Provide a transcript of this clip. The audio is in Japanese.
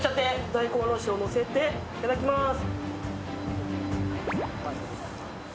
大根おろしをのせていただきまーす。